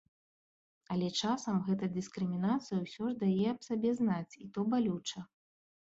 Але часам гэта дыскрымінацыя ўсё ж дае аб сабе знаць, і то балюча.